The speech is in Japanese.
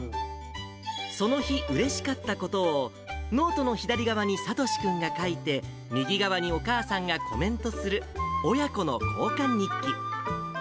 その日うれしかったことを、ノートの左側に聡志君が書いて、右側にお母さんがコメントする、親子の交換日記。